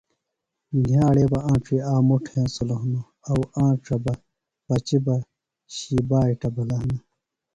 نِھیاڑے بہ آنڇیۡ آک مُٹ ہینسلوۡ ہنوۡ اوۡ آنڇہ بہ پچیۡ شی بائٹہ بِھلہ ہنہ